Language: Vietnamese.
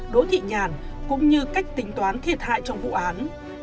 đỗ thị nhàn cũng như cách tính toán thiệt hại trong vụ án